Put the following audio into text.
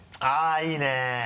あぁいいね！